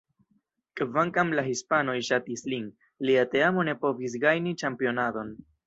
Kvankam la hispanoj ŝatis lin, lia teamo ne povis gajni ĉampionadon.